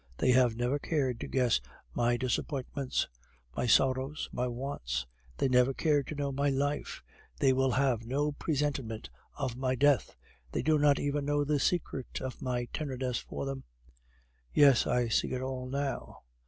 They have never cared to guess my disappointments, my sorrows, my wants; they never cared to know my life; they will have no presentiment of my death; they do not even know the secret of my tenderness for them. Yes, I see it all now.